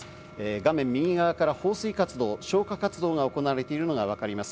画面右側から放水活動、消火活動が行われているのが見えます。